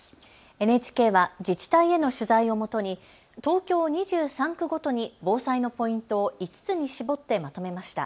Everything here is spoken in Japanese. ＮＨＫは自治体への取材をもとに東京２３区ごとに防災のポイントを５つに絞ってまとめました。